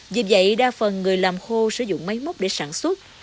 vì vậy đa phần người làm khô sử dụng máy móc để sản xuất